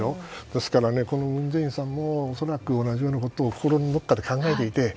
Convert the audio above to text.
ですから、文在寅さんも恐らく同じようなことを心のどこかで考えていて。